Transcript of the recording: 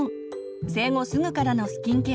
生後すぐからのスキンケア